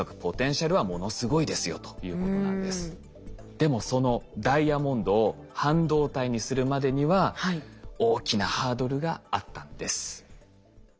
でもそのダイヤモンドを半導体にするまでには大きなハードルがあったんです。